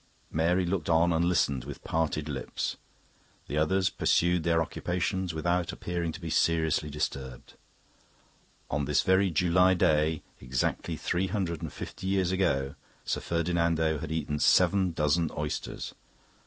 Mary looked on and listened with parted lips. The others pursued their occupations, without appearing to be seriously disturbed. On this very July day, exactly three hundred and fifty years ago, Sir Ferdinando had eaten seven dozen oysters.